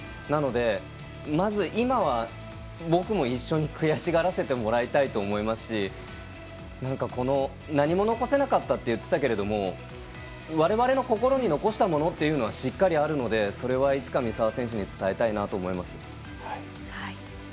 なので、まず今は僕も一緒に悔しがらせてもらいたいと思いますし何も残せなかったって言っていたけれども我々の心に残したものはしっかりあるのでそれはいつか三澤選手に伝えたいなと思います。